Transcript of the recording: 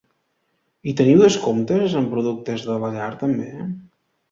I teniu descomptes en productes de la llar també?